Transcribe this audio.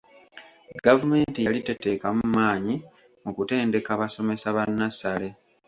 Gavumenti yali teteekamu maanyi mu kutendeka basomesa ba nnassale.